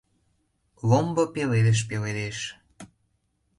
Ломбо пеледыш пеледеш.